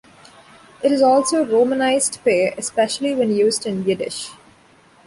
It is also romanized pey, especially when used in Yiddish.